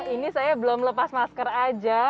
ini saya belum lepas masker aja